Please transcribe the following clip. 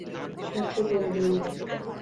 শক্ত করে দড়ি বাঁধো।